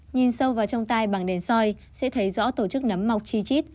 nhìn sâu vào trong tay bằng đèn soi sẽ thấy rõ tổ chức nấm mọc chi chít